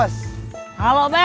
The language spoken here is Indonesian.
jelas bahasa jawa